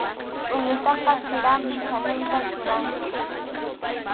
Chʼuñutaqa chirawpi chaninta ruranchik.